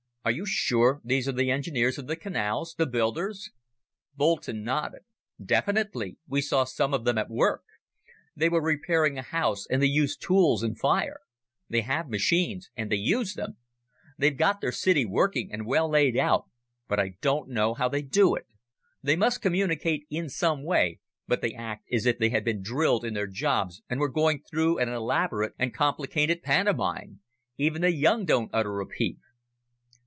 "Are you sure these are the engineers of the canals, the builders?" Boulton nodded. "Definitely. We saw some of them at work. They were repairing a house and they used tools and fire. They have machines, and they use them. They've got their city working and well laid out, but I don't know how they do it. They must communicate in some way, but they act as if they had been drilled in their jobs and were going through an elaborate and complicated pantomime. Even the young don't utter a peep."